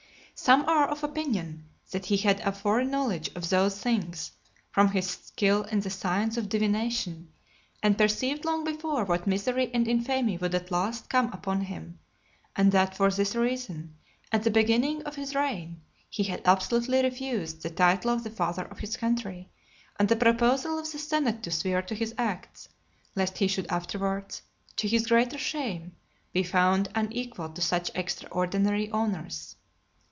Some are of opinion that he had a foreknowledge of those things, from his skill in the science of divination, and perceived long before what misery and infamy would at last come upon him; and that for this reason, at the beginning of his reign, he had absolutely refused the title of the "Father of his Country," and the proposal of the senate to swear to his acts; lest he should afterwards, to his greater shame, be found unequal to such extraordinary honours.